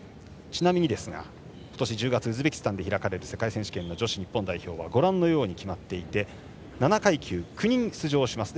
ちなみに、今年１０月ウズベキスタンで開かれる世界選手権の女子日本代表はご覧のように決まっていて７階級、９人出場します。